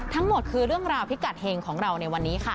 ทั้งหมดคือเรื่องราวพิกัดเฮงของเราในวันนี้ค่ะ